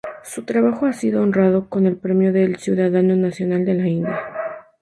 Su trabajo ha sido honrado con el premio del Ciudadano Nacional de la India.